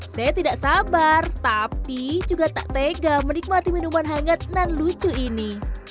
saya tidak sabar tapi juga tak tega menikmati minuman hangat nan lucu ini